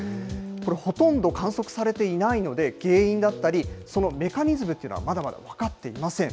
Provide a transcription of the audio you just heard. これ、ほとんど観測されていないので、原因だったり、そのメカニズムっていうのは、まだまだ分かっていません。